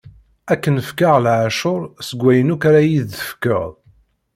Ad k-n-fkeɣ leɛcuṛ seg wayen akk ara yi-d-tefkeḍ.